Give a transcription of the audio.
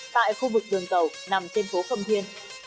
tại khu vực đường tàu nằm trên phố khâm thiên